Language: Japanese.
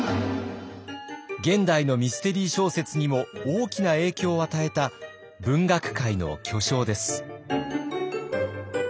現代のミステリー小説にも大きな影響を与えた文学界の巨匠です。